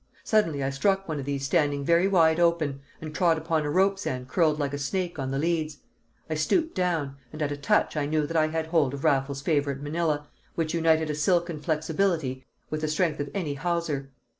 Suddenly I struck one of these standing very wide open, and trod upon a rope's end curled like a snake on the leads. I stooped down, and at a touch I knew that I had hold of Raffles's favourite Manila, which united a silken flexibility with the strength of any hawser.